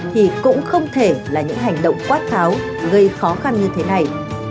thì cũng không thể là những hành động quát tháo gây khó khăn như thế này